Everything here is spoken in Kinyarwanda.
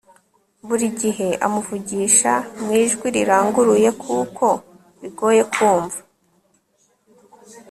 buri gihe amuvugisha mu ijwi riranguruye kuko bigoye kumva